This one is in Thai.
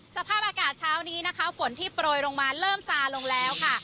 สภาพอากาศเช้านี้นะคะฝนที่โปรยลงมาเริ่มซาลงแล้วค่ะ